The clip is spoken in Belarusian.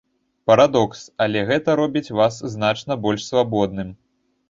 Парадокс, але гэта робіць вас значна больш свабодным.